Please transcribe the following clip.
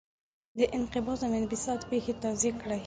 د انقباض او انبساط پېښې توضیح کړئ.